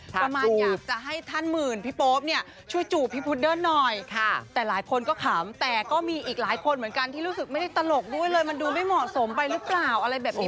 ประมาณอยากจะให้ท่านหมื่นพี่โป๊ปเนี่ยช่วยจูบพี่พุดเดิ้ลหน่อยแต่หลายคนก็ขำแต่ก็มีอีกหลายคนเหมือนกันที่รู้สึกไม่ได้ตลกด้วยเลยมันดูไม่เหมาะสมไปหรือเปล่าอะไรแบบนี้